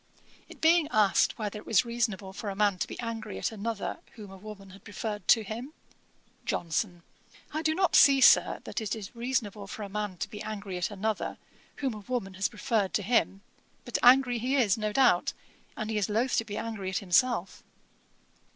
It being asked whether it was reasonable for a man to be angry at another whom a woman had preferred to him; JOHNSON. 'I do not see, Sir, that it is reasonable for a man to be angry at another, whom a woman has preferred to him: but angry he is, no doubt; and he is loath to be angry at himself.'